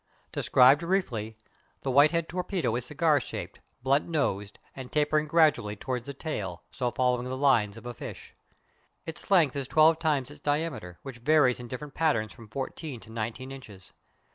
Described briefly, the Whitehead torpedo is cigar shaped, blunt nosed and tapering gradually towards the tail, so following the lines of a fish. Its length is twelve times its diameter, which varies in different patterns from fourteen to nineteen inches.